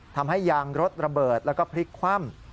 ทำให้ยางรถระเบิดแล้วก็พลิกคว่ำ